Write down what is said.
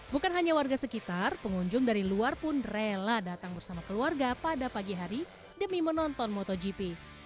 bukan hanya warga sekitar pengunjung dari luar pun rela datang bersama keluarga pada pagi hari demi menonton motogp